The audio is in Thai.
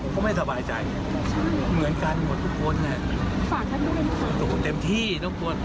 ก็ไม่สบายใจเหมือนกันหมดทุกคนฝากท่านทุกคนเต็มที่ทุกคน